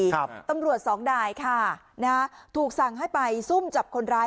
ครับตำรวจสองนายค่ะนะฮะถูกสั่งให้ไปซุ่มจับคนร้าย